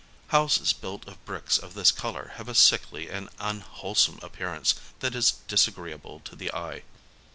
Houses built of bricks of this colour have a sickly and unwhole some appearance that is disagreeable to the eye.